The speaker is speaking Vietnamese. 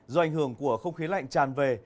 do ảnh hưởng của không khí lạnh tràn về